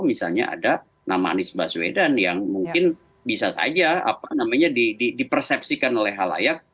misalnya ada nama anies baswedan yang mungkin bisa saja dipersepsikan oleh halayak